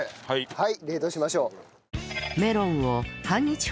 はい。